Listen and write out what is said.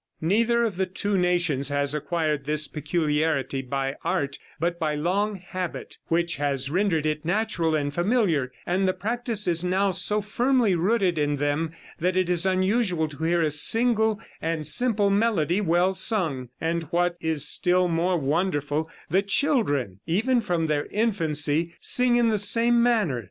Neither of the two nations has acquired this peculiarity by art, but by long habit, which has rendered it natural and familiar; and the practice is now so firmly rooted in them that it is unusual to hear a single and simple melody well sung, and what is still more wonderful, the children, even from their infancy, sing in the same manner.